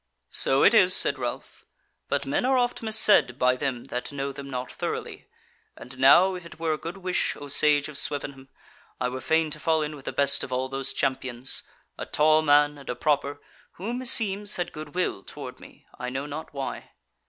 "So it is," said Ralph; "but men are oft mis said by them that know them not thoroughly: and now, if it were a good wish, O Sage of Swevenham, I were fain to fall in with the best of all those champions, a tall man and a proper, who, meseems, had good will toward me, I know not why."